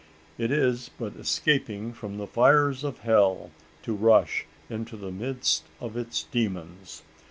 It is but escaping from the fires of hell to rush into the midst of its demons.